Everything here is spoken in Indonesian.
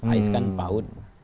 ais kan paut